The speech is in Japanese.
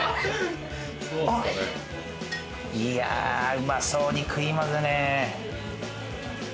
うまそうに食いますね。